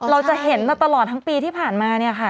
เราจะเห็นมาตลอดทั้งปีที่ผ่านมาเนี่ยค่ะ